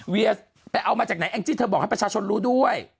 เวียไปเอามาจากไหนแองจี้เธอบอกให้ประชาชนรู้ด้วย